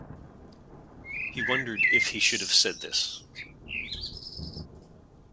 He wondered if he should have said this.